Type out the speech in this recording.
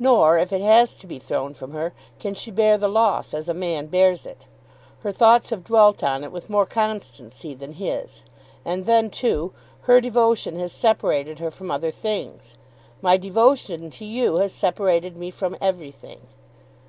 Nor, if it has to be thrown from her, can she bear the loss as a man bears it. Her thoughts have dwelt on it with more constancy than his; and then too her devotion has separated her from other things. My devotion to you has separated me from everything.